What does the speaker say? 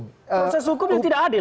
proses hukum yang tidak adil